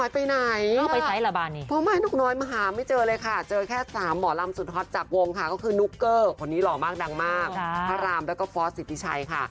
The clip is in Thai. พระรามและก็ฟอสสิทธิไชค่ะ